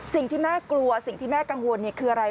สิ่งที่แม่กลัวสิ่งที่แม่กังวลคืออะไร